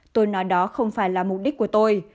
tôi nói đó không phải là mục đích của tôi